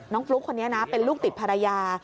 ฟลุ๊กคนนี้นะเป็นลูกติดภรรยา